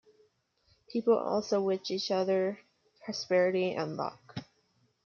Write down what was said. People also wish each other prosperity and luck.